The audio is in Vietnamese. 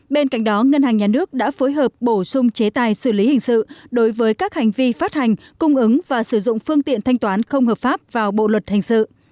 bên cạnh đó ngân hàng nhà nước đã phối hợp bổ sung chế tài xử lý hình sự đối với các hành vi phát hành cung ứng và sử dụng phương tiện thanh toán không hợp pháp vào bộ luật hình sự